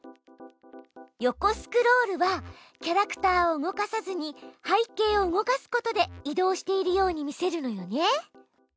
横スクロールはキャラクターを動かさずに背景を動かすことで移動しているように見せるのよね。